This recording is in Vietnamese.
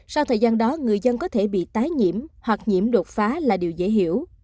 sau thời gian đó người dân có thể bị tái nhiễm hoặc nhiễm đột phá là điều dễ hiểu